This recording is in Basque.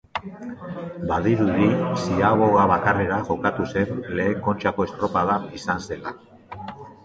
Badirudi ziaboga bakarrera jokatu zen lehen Kontxako estropada izan zela.